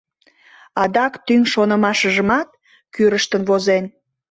Адак тӱҥ шонымашыжымат кӱрыштын возен.